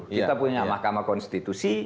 kita punya mahkamah konstitusi